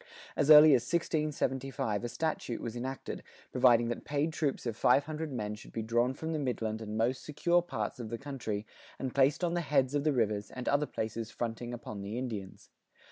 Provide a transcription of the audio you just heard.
As early as 1675 a statute was enacted,[84:1] providing that paid troops of five hundred men should be drawn from the midland and most secure parts of the country and placed on the "heads of the rivers" and other places fronting upon the Indians.